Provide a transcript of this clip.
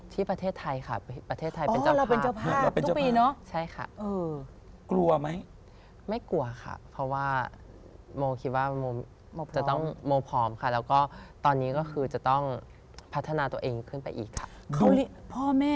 ที่ประเทศไทยค่ะประเทศไทยเป็นเจ้าพา